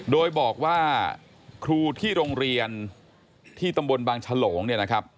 โดยบอกว่าครูที่โรงเรียนที่ตำบลบางฉลงเนี่ยนะครับ